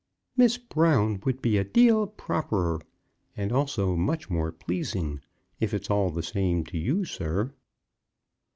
"'Miss Brown' would be a deal properer, and also much more pleasing, if it's all the same to you, sir!"